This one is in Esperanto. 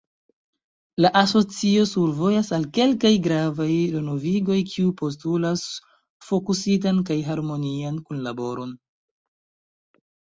“La Asocio survojas al kelkaj gravaj renovigoj, kiuj postulas fokusitan kaj harmonian kunlaboron.